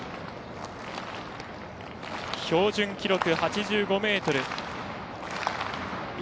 標準記録８５ｍ。